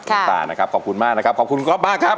เป็นต้านนะครับขอบคุณมากครับขอบคุณครอบครับ